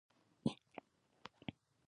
په کورنیو لانجو کې ګوتې مه ماتوي.